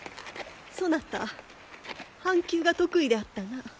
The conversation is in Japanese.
そなた半弓が得意であったな。